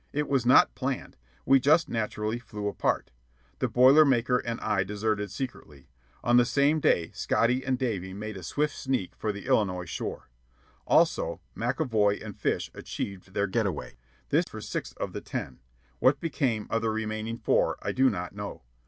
It was not planned. We just naturally flew apart. The Boiler Maker and I deserted secretly. On the same day Scotty and Davy made a swift sneak for the Illinois shore; also McAvoy and Fish achieved their get away. This accounts for six of the ten; what became of the remaining four I do not know.